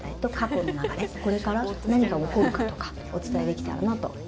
これから何が起こるかとかお伝えできたらなと。